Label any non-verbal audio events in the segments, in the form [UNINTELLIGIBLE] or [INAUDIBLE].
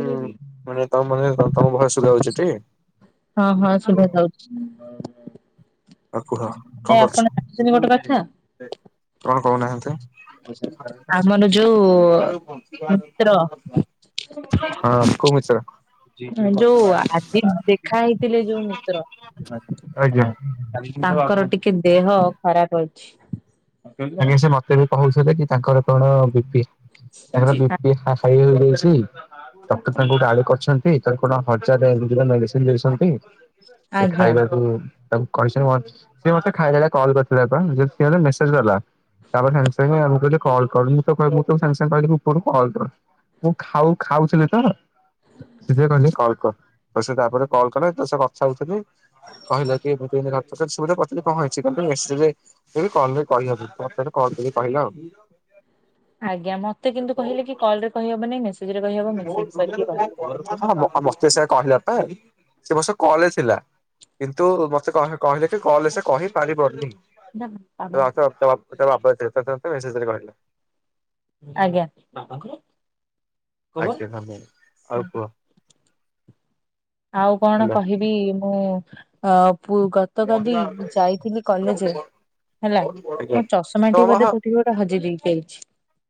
ହୁଁ ମାନେ ତମ ମାନେ ତମ ଭୟସ ଶୁଗା ଯାଉଛି ଟି ହଁ, ହଁ ସୁୁଭା ଯାଉଛି। ଆଉ କୁହ କଣ ନାଇ କରୁଛ? ଆପଣ ଜାଣିଛନ୍ତି ଗୋଟେ କଥା। କଣ କହୁନାହାନ୍ତି ଆମର ଯୋଉ ଓ ମିତ୍ର ହଁ କୋଉ ମିତ୍ର? ଯୋଉ ଆଜି ଦେଖା ହେଇଥିଲେ ଯୋଉ ମିତ୍ର। ଆଜ୍ଞା ତାଙ୍କର ଟିକେ ଦେହ ଖରାପ ଅଛି। ଆଜ୍ଞା, ସେ ମୋତେ ବି କହୁଥିଲେ କି ତାଙ୍କର କଣ ବିପି ତାଙ୍କର ବିପି ହା ହାଏ ହେଇଯାଇଛି। ଡକ୍ଟର ତାଙ୍କୁ ଗାଳି କରିଛନ୍ତି। ତାଙ୍କୁ କଣ ହଜାରେ ଏମବି ର ମେଡିସିନ୍ ସିନ୍ ଦେଇଛନ୍ତି। ସେ ଆଜ୍ଞା ଖାଇବାକୁ ତାକୁ କହିସନ୍ତି। ସେ ମୋତେ ଖାଇଲାବେଳେ କଲ୍ କରିଥିଲା ପା ଯେତେବେଳେ ମେସେଜ୍ ଗଲା। ତାପରେ ସାଙ୍ଗେ ସାଙ୍ଗେ ମାମୁଁ କହିଲେ କଲ୍ କର। ମୁଁ ତ କହିଲି ମୁଁ ତ ସାଙ୍ଗେ ସାଙ୍ଗେ କହିଲି ମୁଁ ପୁଣି କଲ୍ କର। ମୁଁ ଖାଉ ଖାଉଥିଲି ତ। ସେଥିପାଇଁ କହିଲେ କଲ୍ କର। ଆଉ ସେ ତାପରେ କଲ୍ କଲେ। ତ ସେ କଥା ହଉଥିଲି। କହିଲା କି [UNINTELLIGIBLE] କରିଥିଲି କଣ ହେଇଛି ତୋର ତ ମେସେଜେ ଏଇ କଲ୍ ରେ କହିହବନି। ପଛରେ କଲ୍ କରି କହିଲା ଆଉ। ଆଜ୍ଞା ମୋତେ କିନ୍ତୁ କହିଲେ କି କଲ୍ ରେ କହିହବନି ମେସେଜ ରେ କହିହବ [UNINTELLIGIBLE] ମେସେଜ କରିକି ହଁ, କହିହବ। ହଁ ମୋ ଆ, ମୋତେ ସେଇୟା କହିଲା ପା। ସେ ମୋ ସହ କଲ୍ ରେ ଥିଲା। କିନ୍ତୁ ମୋତେ କହ କହିଲେ କି କଲ୍ ରେ ସେ କହିପାରିବନି। ନାହା ଆବା ଓ ତା ବାପା [UNINTELLIGIBLE] ମେସେଜରେ କହିଲା। ଆଜ୍ଞା। ଆଜ୍ଞା ମାମୁଁ ଆଉ କୁହ। ଆଉ କଣ ହ୍ୟାଲୋ କହିବି ମୁଁ ଅ ପୁ ଗତ କାଲି ଯାଇଥିଲି କଲେଜେ। ହେଲା ଆଜ୍ଞା। ମୁଁ ଚଷମାଟି ବୋଧେ କୋଉଠି ଗୋଟେ ହଜେଇ ଦେଇକି ଆଇଛି।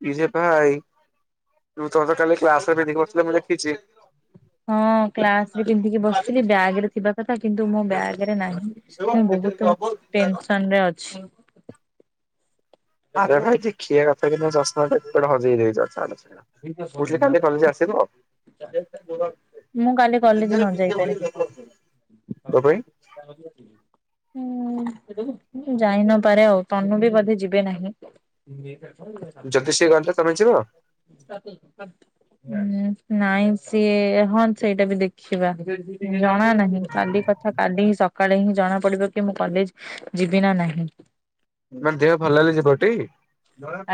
ନିଜେ ତ ହାଇ ଉଁ, ତୋମେ ତ କାଲି କ୍ଲାସ୍ ରେ ପିନ୍ଧିକ ବସିଥିଲ ମୁଁ ଦେଖିଛି। ହଁ କ୍ଲାସ୍ ରେ ପିନ୍ଧିକି ବସିଥିଲି ବ୍ୟାଗ୍ ରେ ଥିବା କଥା। କିନ୍ତୁ ମୋ ବ୍ୟାଗ୍ ରେ ନାହିଁ। ମୁଁ ବ ବହୁତ ଟେନସନ୍ ରେ ଅଛି। ଆରେ ଭାଇ ଦେଖିଆ କଥା କି ନୁହିଁ ଚଷମା ଟା କୁଆଡ଼େ ହଜେଇ ଦେଇଚ। ଛାଡ଼ କହୁଥିଲେ କାଲି କଲେଜ୍ ଆସିବାକୁ। ମୁଁ କାଲି [UNINTELLIGIBLE] କଲେଜ ନ ଇଏରେ ଟିକେ ଯାଇପାରେ। ଭଳି ହୁଁ ଦବକି। ତ ପାଇଁ ଉଁ, ଯାଇ ନପାରେ ଆଉ ତନୁ ବି ବୋଧେ ଯିବେ ନାହିଁ। ଯଦି ସେ ଗଲେ ତୋମେ ଯିବ? ତୋତେ ତଧ୍ [UNINTELLIGIBLE] ନାଇଁ ସିଏ ହଁ ସେଇଟା ବି ଦେଖିବା ଜଣା ନାହିଁ କାଲି କଥା କାଲି ହିଁ ସକାଳେ ହିଁ ଜଣା ପଡିବ କି ମୁଁ କଲେଜ୍ ଯିବି ନା ନାହିଁ। ମାନେ ଦେହ ଭଲ ହେଲେ ଯିବଟି?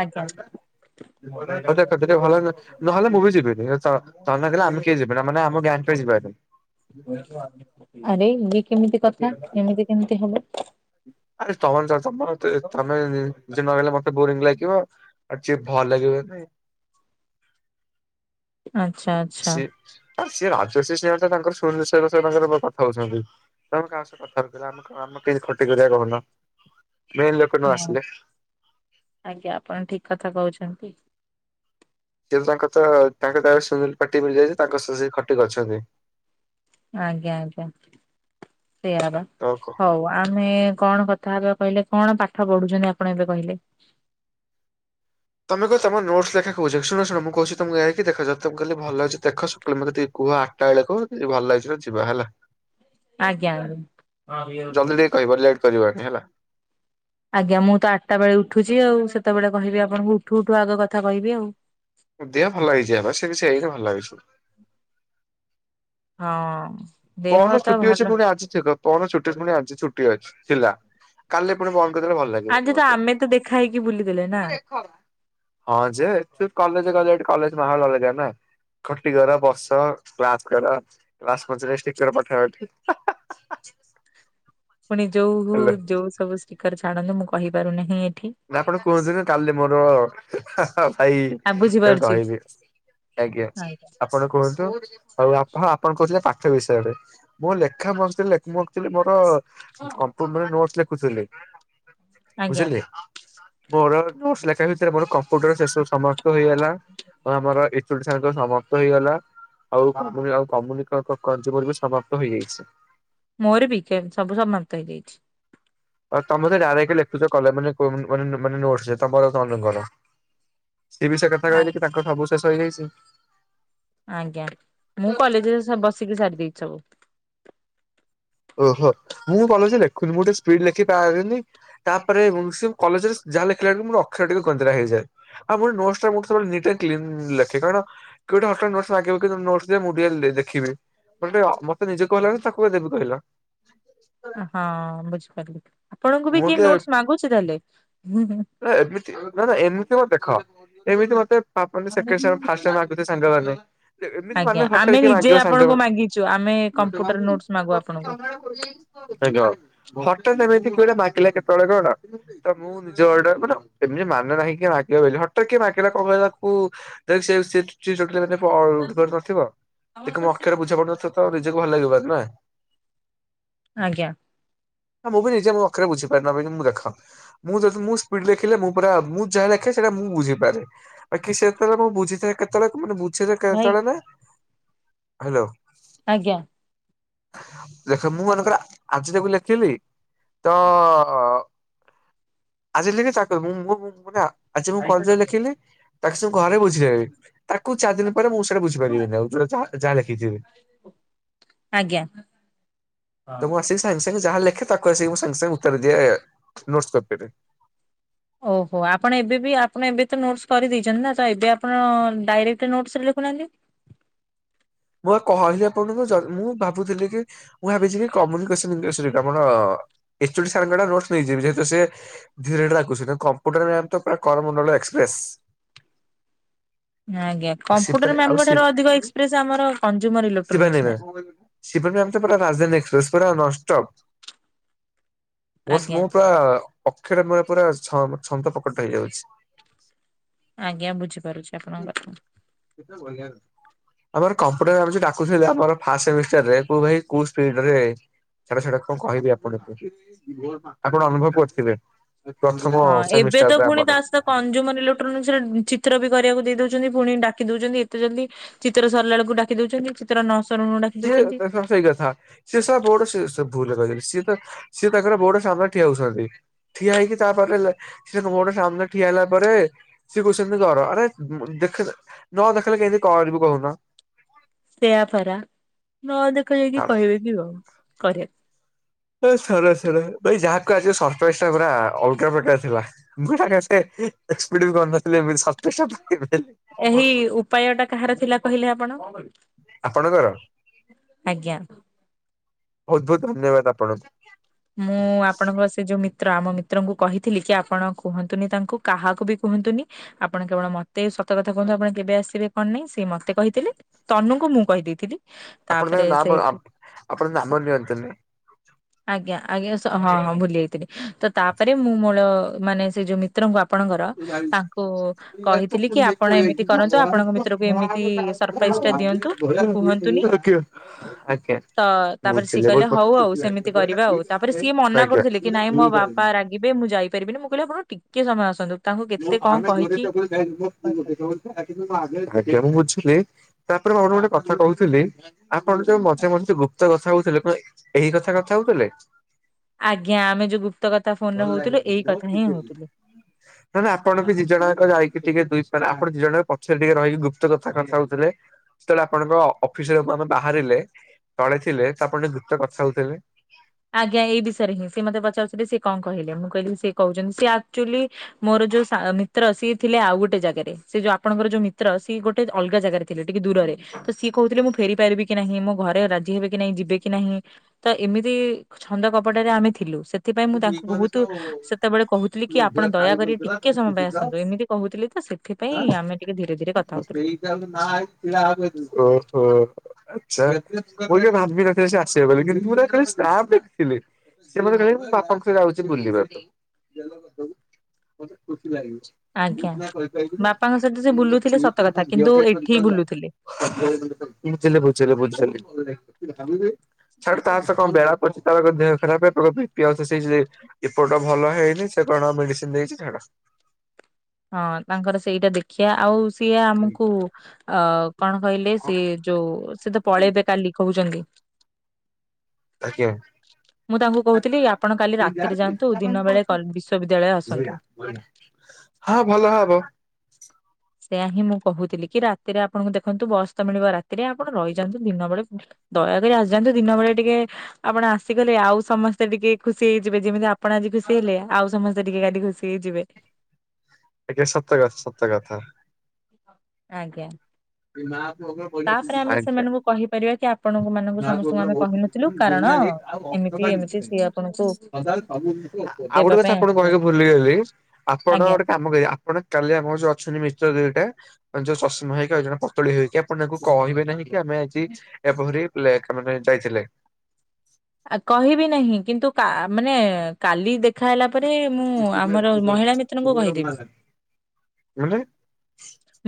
ଆଜ୍ଞା। ନ ହେଲେ ମୁଁ ବି ଯିବିନି ଏରା ତ ତମେ ନଗଲେ ଆମେ କେହି ଯିବାନି ଆମ [UNINTELLIGIBLE] [UNINTELLIGIBLE] ଆରେ ଇଏ କେମିତି କଥା ଏମିତି କେମିତି ହବ? ଆରେ ତମେ ମାନେ ଯାଉଛ [UNINTELLIGIBLE] ବୋରିଂ ଲାଗିବ ଯିଏ ଭଲ ଭଲ ଲାଗିବନି। ଆଚ୍ଛା ଆଚ୍ଛା ସେ ଆ ସେ ରାଜ ସେ ସେଇ ଅନୁସାରେ ତାଙ୍କର ସୁନିଲ ସାର୍ ଙ୍କ ସହ କଥା ହଉଛନ୍ତି ତ ଆମେ କାହା ସହ କଥା ହେବା କହିଲ ଆମ କେମିତି ଖ [UNINTELLIGIBLE] ଧୀରେ କହୁନ ମେନ୍ ଲୋକ ନ ହଁ ଆସିଲେ। ଆଜ୍ଞା ଆପଣ ଠିକ କଥା କହୁଛନ୍ତି। [UNINTELLIGIBLE] ତାଙ୍କର ତ ତାଙ୍କ ସୁନୀଲ ପାର୍ଟି ମିଳିଯାଇଛି। ତାଙ୍କ ସହ ଖଟି କରୁଛନ୍ତି। ଆଜ୍ଞା ଆଜ୍ଞା। ସେଇଆ ବା ତ ହଉ ଆମେ କଣ କଥା ହେବା କହିଲେ? କଣ ପାଠ ପଢୁଛନ୍ତି ଆପଣ ଏବେ କହିଲେ? ତମେ କୁହ ତମ ନୋଟସ ଲେଖା କହୁଛି ଶୁଣ ଶୁଣ ମୁଁ କହୁଛି ତମେ ଯାଇକି ଦେଖ [UNINTELLIGIBLE] ମୋତେ ଟିକେ କୁହ। ମୁଁ ଆଠଟା ବେଳେ କହୁ ନଥିଲି ଭଲ ଲାଗୁଛି ଯିବା ହେଲା। ଆଜ୍ଞା। କରିବାନି ହେଲା। ଆଜ୍ଞା ମୁଁ ତ ଆଠଟା ବେଳେ ଉଠୁଛି ଆଉ ସେତେବେଳେ କହିବି ଆପଣଙ୍କୁ ଉଠୁ ଉଠୁ ଆଗ କଥା କହିବି ଆଉ। ଦେହ ଭଲ ହେଇଯାଏ ବା ସେ ବି ସେୟା ଭଲ ହେଇଯିବ। ହଁ। ଦେହ ପଅଣ ଦିନ ତ ଛୁଟି ଭଲ ଅଛି ପୁଣି ଆଜି ଚେକ୍ ଅପ ପଅଣ ଦିନ ଛୁଟି ପୁଣି ଆଜି ଛୁଟି ଅଛି ଥିଲା କାଲି ପୁଣି ବନ୍ଦ୍ [UNINTELLIGIBLE] ଭଲ ଆଜି ଲାଗିବନି ତ ମତେ। ଆମେ ତ ଦେଖା ହେଇକି ବୁଲିଦେଲେ ନା। ହଁ ଯେ ଆକ୍ କଲେଜ ଗଲାଠୁ କଲେଜ୍ [UNINTELLIGIBLE] ଖଟି କର ବସ କ୍ଲାସ କର କ୍ଲାସ [UNINTELLIGIBLE] [UNINTELLIGIBLE] ପାଖା ପାଖି। ପୁଣି ଯୋଉ ହଉ ଯୋଉ ସବୁ ଷ୍ଟିକର ଛାଡ଼ନ୍ତୁ ମୁଁ କହିପାରୁନାହିଁ। ଏଠି। ଆପଣ କୁହନ୍ତୁନି କାଲି ମୋର ଭାଇ ଆ କଣ ବୁଝିପାରୁଛି କହିବି? ଆଜ୍ଞା ଆପଣ କୁହନ୍ତୁ ଆଉ ଆପଣ ଆପଣ କହୁଥିଲେ ପା ସେ ବିଷୟରେ ମୁଁ ଲେଖା ମୁଁ ଆକଚୁଲି ମୋର [UNINTELLIGIBLE] ବୁଝିଲି ଆଜ୍ଞା ବୁଝିଲି ମୋର ନୋଟସ ଲେଖା ଭିତରେ ମୋର କମ୍ପ୍ୟୁଟର ସେ ସବୁ ସମାପ୍ତ ହେଇଗଲା। ଓ ଆମର ଏଚ୍ ଓ ଡି ସାର୍ ଙ୍କର ସମାପ୍ତ ହେଇଗଲା। ଆଉ ଆମରି ଆଉ କମୁନି [UNINTELLIGIBLE] ସମାପ୍ତ ହେଇଯାଇଚି। ମୋର ବି କେ ସବୁ ସମାପ୍ତ ହେଇ ଯାଇଯାଇଚି। ଆଉ ତମେ ତ ଡାଇରେକ୍ଟ ଲେଖୁଚ [UNINTELLIGIBLE] ମାନେ ନୋଟସ ତମର ତନୁଙ୍କର। ସିଏ ବି ସେ କଥା କହିଲେ କି ତାଙ୍କ ସବୁ ଶେଷ ହେଇଯାଇଚି। ଆଜ୍ଞା ମୁଁ କଲେଜରେ ସ ବସିକି ସାରି ଦେଇଚି ସବୁ। ଓହୋ ମୁଁ କଲେଜରେ ଲେଖୁନି ମୁଁ ଟିକେ ସ୍ପିଡ ଲେଖି ପାରେନି ତାପରେ ଉଁ ସେ କଲେଜରେ ଲେଖିଲା ବେଳକୁ ମୋ ଅକ୍ଷର ଟିକେ ଗନ୍ଦରା ହେଇଯାଏ ଆଉ ମୁଁ ନୋଟସ୍ ସବୁବେଳେ ନିଟ ଆଣ୍ଡ କ୍ଲିନ ଲେଖେ କାରଣ ଗୋଟେ ହଠାତ୍ ନୋଟ ମାଗିବ କିନ୍ତୁ ତୋ ନୋଟସ ଦେ ମୁଁ ଟିକେ ଲେ ଦେଖିବି ମତେ ଟିକେ ଅ ମତେ ନିଜେ କୁହ ତାକୁ କଣ ଦେବି କହିଲ? ହଁ ବୁଝି ପାରିଲି। ମୁଁ ଟିକେ ନା ଏମିତି ନା ନା ଏମିତି ହବ ଦେଖ ଏମିତି ମତେ ତାପରେ ସେକେଣ୍ଡ ସାଙ୍ଗ ଫାଷ୍ଟ ମାଗୁଥିବେ ସାଙ୍ଗମାନେ ଏ ଏମିତି ଆଜ୍ଞା ମାନେ ଆମେ ହଠାତ୍ କିଏ ନିଜେ ମାଗିବ ଆପଣଙ୍କୁ ସାଙ୍ଗମାନେ ମାଗିଛୁ ଆମେ କମ୍ପ୍ୟୁଟର ନୋଟସ୍ ମାଗୁ ଆପଣଙ୍କୁ। ଆଜ୍ଞା ହଠାତ ଏମିତି ମାଗିଲା କେତେବେଳେ କଣ ତ ମୁଁ ନିଜ ଅର୍ଡର ମାନେ ଏମିତି ମାନେ ନାହିଁ କି ମାଗିବ ବୋଲି ହଠାତ୍ କିଏ ମାଗି [UNINTELLIGIBLE] ପ ଅ ବୁଝିପାରୁନଥିବ ତାକୁ ମୋ ଅକ୍ଷର ବୁଝା ପଡୁନଥିବ ତ ନିଜକୁ ଭଲ ଲାଗିବ ନା। ଆଜ୍ଞା। ମୁଁ ବି ନିଜେ ମୋ [UNINTELLIGIBLE] ବୁଝିପାରେନା ବୋଲି ମୁଁ ଦେଖ। ମୁଁ ଯଦି ମୁଁ ସ୍ପୀଡ ଲେଖିଲେ। ମୁଁ ପରା ମୁଁ ଯାହା ଲେଖେ ସେଇଟା ମୁଁ ବୁଝିପାରେ। ବାକି ସେତେବେଳେ ମୁଁ ବୁଝିଥାଏ କେତେବେଳେ ମାନେ ବୁଝେଜେ ଭାଇ କେତେବେଳେ ନା ହାଲୋ। ଆଜ୍ଞା। ଦେଖ ମୁଁ ମନେକର ଆଜି ତାକୁ ଲେଖିଲି ତ। ଆଜି ଲେଖେ ତାକୁ ମୁଁ ଆଜି ମୁଁ କଲଜରେ ଲେଖିଲି। ତାକୁ ସବୁ ଘରେ ବୁଝେଇବେ। ତାକୁ ଚାରି ଦିନ ପରେ ମୁଁ ସେଇଟା ବୁଝିପାରିବିନି ଆଉ ଯୋଉଟା ଯାହା ଲେଖିଥିବି। ହଁ। ତ ମୁଁ ଆସିକି ସାଙ୍ଗେ ଯାହା ଲେଖେ ତାକୁ ଆସିକି ମୁଁ ସାଙ୍ଗେ ସାଙ୍ଗେ ଉତାରି ଦିଏ ନୋଟସ କପି ରେ। ଓହୋ ଆପଣ ଏବେ ବି ଆପଣ ଏବେ ତ ନୋଟସ କରିଦେଇଛନ୍ତି ନା ତ ଏବେ ଆପଣ ଡାଇରେକ୍ଟ ନୋଟସ ରେ ଲେଖୁଛନ୍ତି। ଲେଖୁ ନାହାନ୍ତି। [INAUDIBLE] ମୁଁ କହିଲି ଆପଣଙ୍କୁ ମୁଁ ଭାବୁଥିଲି କି ମୁଁ ଭାବିଛି କି କମ୍ୟୁନିକେସନ କେସରେ ଏଇଟା ମୋର। ଏଚଅଡ଼ି ସାରଙ୍କ ଠୁ ନୋଟସ ନେଇଯିବ ଯେହେତୁ ସେ ଧୀରେ ଧୀରେ ଡାକୁଛନ୍ତି କମ୍ପ୍ୟୁଟର ମ୍ୟାମ ତ ପୁରା କରମଣ୍ଡଳ- ଏକ୍ସପ୍ରେସ୍। ଆଜ୍ଞା। କମ୍ପୁଟର ମ୍ୟାମଙ୍କ ଠାରୁ ଅଧିକ ଏକ୍ସପ୍ରେସ୍ ଆମର କଞ୍ଜ୍ୟୁମର ଇଲେକ୍ଟ୍ରୋନ୍ସିକ୍ ମେମ୍। ସିଏ ବା ଜାଣିଛ ପୁରା ରାଜଧାନୀ ଏକ୍ସପ୍ରେସ ପୁରା ନନଷ୍ଟପ। ଆଜ୍ଞା ମୁ ପୁରା ଅକ୍ଷରେ ମ ପୁରା ଛ-ଛନ୍ଦ କପଟ ହେଇଯାଉଛି। ଆଜ୍ଞା ବୁଝିପାରୁଛି ଆପଣଙ୍କ କଥା। କେତେ [UNINTELLIGIBLE] ଆମର କମ୍ପୁଟର ଆମେ ଯୋଉ ଡାକୁଛୁ ଆମର ଫାଷ୍ଟ ସେମିଷ୍ଟାରରେ [UNINTELLIGIBLE] ତାହେଲେ ସେଟା କଣ କହିବି ଆପଣଙ୍କୁ। ଆପଣ ଅନୁଭବ କରିଥିବେ। ପ୍ରଥମ ହଁ ଏବେ ତ ସେମିଷ୍ଟାରରେ ପୁଣି ଆମର ତା ସହିତ କଞ୍ଜୁମର ଇଲେକ୍ଟ୍ରୋନିକ୍ସରେ ଚିତ୍ର ବି କରିବାକୁ ଦେଇଦଉଛି। ପୁଣି ଡାକି ଦଉଛନ୍ତି ଏତେ ଜଲଦି। ଚିତ୍ର ସିରିଲା ବେଳକୁ ଡାକି ଦଉଛନ୍ତି ଚିତ୍ର ନ ସରୁଣୁ ଡାକି ଯିଏ ଦଉଛନ୍ତି ଏକଦମ ସେଇ କଥା। ସିଏ ସେ ସ ବଡ ସେବ- ଭୁଲ ରେ କହିଦେଲି। ସିଏ ତ ସିଏ ତାଙ୍କର ବୋଡ ସାମ୍ନା ଠିଆ ହଉଛନ୍ତି। ଠିଆ ହେଇକି ତା ପାଖରେ ସେ ଗୋଟେ ସାମ୍ନାରେ ଠିଆ ହେଲା ପରେ, ସିଏ କହୁଛନ୍ତି ଘର ଆରେ ଦେଖ ନ ଦେଖିଲେ କେମତି କରିବୁ କହୁନ। ସେୟାପାରା ନ ଦେଖ ଯାଇକି କହିବେ କି କରିବାକୁ। ସରେ ସରେ ଭ ଯାହା କହ ଆଜି ସରପ୍ରାଇଜଟା ପୁରା ଅଲଗା ପ୍ରକାର ଥିଲା। ମାଗି ସେ ଏକ୍ସପେଟ ବି କରିନଥିଲି। ଏମିତି ସରପ୍ରାଇଜ ଟା ପାଇବି ବୋଲି ଏହି ଉପାୟଟା କାହାର ଥିଲା କହିଲେ ଆ ଆପଣ ଆପଣଙ୍କର ଆଜ୍ଞା। ବହୁତ ବହୁତ ଧନ୍ୟବାଦ ଆପଣଙ୍କୁ। ମୁଁ ଆପଣଙ୍କର ସେ ଯୋଉ- ମିତ୍ର ଆମ ମିତ୍ରଙ୍କୁ କହିଥିଲି କି ଆପଣ କୁହନ୍ତୁନି ତାଙ୍କୁ। କାହାକୁ ବି କୁହନ୍ତୁନି। ଆପଣ କେବଳ ମତେ ସତ କଥା କୁହନ୍ତୁ ଆପଣ କେବେ ଆସିବେ କଣ ନାହିଁ ସେ ମତେ କହିଥିଲେ। ତନୁଙ୍କୁ ମୁଁ କହିଦେଇଥିଲି। ଆପଣ ତାଙ୍କ ତାପରେ ନାମବଅ ସେଇଠୁ ଆପଣ ନାମ ନିଅନ୍ତୁନି। ଆଜ୍ଞା ଆଜ୍ଞା ହଁ ହଁ ଭୁଲି ଯାଇଥିଲି। ତ ତାପରେ ମୁଁ ମୋର ମାନେ ସେ ଯୋଉ ମିତ୍ରଙ୍କୁ ଆପଣଙ୍କର ତାଙ୍କୁ ଆଜ୍ଞା କହିଥିଲି କି ଆଜ୍ଞା ଆପଣ ଏମିତି କରନ୍ତୁ ଆପଣଙ୍କ ମିତ୍ରକୁ ଏମିତ ସରପ୍ରାଇିଜ୍ ଦିଅନ୍ତୁ କୁହନ୍ତୁନି। ତ ତାପରେ ସିଏ ବୁଝିଲି କହିଲେ ହଉ ହଉ ସେମିତି ବହୁତ କରିବା ଆଉ। ତାପରେ ସିଏ ମନା ଆଜ୍ଞା। କରୁଥିଲେ କି ନାଇଁ ମୋ ବାପା ରାଗିବେ ମୁଁ ଯାଇପାରିବିନି ମୁଁ କହିଲି ଆପଣ ଟିକେ ସମୟ ଆସନ୍ତୁ। ତାଙ୍କୁ କେତେ [UNINTELLIGIBLE] କଣ ଆଜ୍ଞା ବୁଝିଲି। କହିକି ତାପରେ ମୁଁ ଆପଣଙ୍କୁ ଗୋଟେ କଥା କହୁଥିଲି। ଆପଣ ଯୋଉ ମଝିରେ ମଝରେି ଗୁପ୍ତ କଥା ହଉ ଏହି କଥା କଥା ହଉଥିଲେ। ଆଜ୍ଞା ଆମେ ଯୋଉ ଗୁ ନହେଲେ ଆପଣ ବି ଦି ଜଣ ଯାକ ଯାଇକି ଟିକେ ଦୁଇ ଆପଣ ଦି ଜଣ ପଛରେ ଟିକେ ରହିକି ଗୁପ୍ତ କଥା କଥା ହଉଥିଲେ। ଯେତେବେଳେ ଆପଣଙ୍କ ଅଫିସରେ ଆମେ ବାହାରିଲେ ତଳେ ଥିଲେ ତାପରେ ଦୁତ କଥା ହଉଥିଲେ। ଆଜ୍ଞା ଏଇ ବିଷୟରେ ହିଁ ସେ ମତେ ପଚାରୁଥିଲେ ସେ କଣ କହିଲେ। ମୁଁ କହିଲି ସେ କହୁଛନ୍ତି ସେ ଆକ୍ଚୁଲି ମୋର ଯୋଉ ସା ମିତ୍ର ସିଏ ଥିଲେ ଆଉ ଗୋଟେ ଜାଗାରେ, ସେଇ ଯୋଉ ଆପଣଙ୍କର ଯୋଉ ମିତ୍ର ସିଏ ଗୋଟେ ଅଲଗା ଜାଗରେ ଥିଲେ ଟିକେ ଦୂରରେ ତ ସିଏ କହୁଥିଲେ ମୁଁ ଫେରି ପାରିବି କି ନାହିଁ, ମୋ ଘରେ ରାଜି ହେବି କି ନାହିଁ, ଯିବେ କି ନାହିଁ ତ ଏମିତି ଛନ୍ଦ କପଟରେ ଆମେ ଥିଲୁ ସେ ସେଥିପାଇଁ ମୁଁ ତାଙ୍କୁ ବହୁତ ସେତେବେଳେ କହୁଥିଲି କି ଆପଣ ଦୟାକରି ଟିକେ ସମୟ ପାଇଁ ଆସନ୍ତୁ ଏମିତି କହୁଥିଲି ତ ସେଥିପାଇଁ ଆମେ ଟିକେ ଧୀରେ ଧୀରେ କଥା ହଉଥିଲୁ। ହୁଁ ଆଛା ମୁଁ ତ କେବେ ଭାବିନଥିଲି ସେ ଆସିବେ ବୋଲି, କିନ୍ତୁ ତାପରେ ଦେଖଲି। ସେ ମତେ କହିଲା କି ବାପାଙ୍କ ସହ ଯାଉଛି ବୁଲିବାକୁ। ମୁଁ ଆଜ୍ଞା ସିନା କରିପାରିବିନି ବାପାଙ୍କ ସହିତ ସେ ମୋ ବୁଲୁଥିଲେ ଚୁଇଁ ସତ ତ ମୋ କଥା କିନ୍ତୁ ଝିଅଟିଏ ଏଠି କରିପାରିଲା। ବୁଲୁଥିଲେ। ବୁଝିଲି ବୁଝିଲି ବୁଝିଲି ଛାଡ୍ ତା ସହ କଣ ବେଳା ପଡିଛି ତାର ଦେହ ଖରାପେ ତ ସେଇଥି ଲାଗି ଏପଟ ଭଲ ହେଇନି ସେ କଣ ମେଡିସିନ ଦେଇଛି ଛାଡ। ହଁ ତାଙ୍କର ସେଇଟା ଦେଖିଆ ଆଉ ସିଏ ଆମକୁ ଅ କଣ କହିଲେ ସିଏ ଯୋଉ ସେ ତ ପଳେଇବେ କାଲି କହୁଛନ୍ତି। ଆଜ୍ଞା। ମୁଁ ତାଙ୍କୁ କହୁଥିଲି ଆପଣ କାଲି ରାତିରେ ଯାଆନ୍ତୁ [UNINTELLIGIBLE] ଦିନ ବେଳେ ବିଶ୍ଵବିଦ୍ୟାଳୟ ଆସନ୍ତୁ। ହଁ ଭଲ ହବ। ସେଆା ହିଁ ମୁଁ କହୁଥିଲି କି ରାତିରେ ଆପଣଙ୍କୁ ଦେଖନ୍ତୁ ବସ୍ ତ ମିଳିବ ରାତିରେ ଆପଣ ରହିଯାଆନ୍ତୁ ଦିନ ବେଳେ ଦୟାକରି ଆସିଯାଆନ୍ତୁ ଦିନ ବେଳେ ଟିକେ ଆପଣ ଆସିଗଲେ ଆଉ ସମସ୍ତେ ଟିକେ ଖୁସି ହେଇଯିବେ ଯେମିତି ଆପଣ ଆଜି ଖୁସି ହେଲେ ଆଉ ସମସ୍ତେ ଟିକେ କାଲି ଖୁସି ହେଇ ଯିବେ। ଆଞା ସତ ସତ କଥା। ଆଜ୍ଞା। ବି ମା ପଇସା ତାପରେ ସୁଝି ଆମେ ପାରୁନି ସେମାନଙ୍କୁ କହିପାରିବା କି ଆପଣଙ୍କୁ ମାନଙ୍କୁ ଆଜ୍ଞା ସମସ୍ତଙ୍କୁ ଆମେ କହିନଥିଲୁ କାରଣ ଦୁନିଆ ରେଟ୍ ଆଉ [UNINTELLIGIBLE] ଏମିତି ଏମିତି ସିଏ ଆପଣଙ୍କୁ ଆଉ ଗୋଟେ ଦେବା କଥା ପାଇଁ ଆପଣ ଆସିଥିଲେ କକି ଭୁଲିଗଲି। ଆପଣ ଆଜ୍ଞା। ଗୋଟେ କାମ କରିବେ ଆପଣ ଚଳେଇବେ ମୋ ସହ ଯୋଉ ଅଛନ୍ତି ମିଶ୍ର ଦିଇଟା ଯୋଉ ଶଶୀମହି ଆଉ ଜଣେ ପତଳି ହେଇକି ଆପଣ ତାଙ୍କୁ କହିବେ ନାହିଁ କି ଆମେ ଆଜି ଏମାରିପ୍ଲେକ ରେ ଯାଇଥିଲେ। ହ କହିବି ନାହିଁ କିନ୍ତୁ କା ମାନେ କାଲି ଦେଖାହେଲା। ତାପରେ ମୁଁ ଆମର ମହିଳା ମିତ୍ରଙ୍କୁ କହିଦେବି। ମାନେ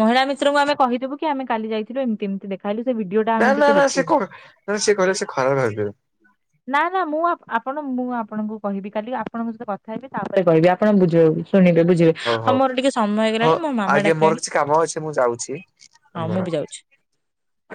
ମହିଳା ମିତ୍ରଙ୍କୁ ଆମେ କହିଦବୁ କି ଆମେ କାଲି ଯାଇଥିଲୁ ଏମିତି ଏମିତି ଦେଖ ନା ନା ନା ସେ କ ନା ସେ କହଲେ ସେ ଖରାପ ଭାବିବ। ନା ନା ମୁଁ ଆପଣ ମୁଁ ଆପଣଙ୍କୁ କହିବି କାଲି ଆପଣଙ୍କ ସହିତ କଥା ହେବି ତାପରେ କହିବି ଆପଣ ବୁଝେଇ କି ଶୁଣିବ ବୁଝିବେ ହଉ ମୋର ଟିକେ ସମୟ ହଉ ହେଇଗଲାଣି ମୋ ମାମା ଆଜ୍ଞା ମୋର ଡାକିଲଣି କିଛି କାମ ଅଛି ହଉ ମୁଁ ଯାଉଛି। ହ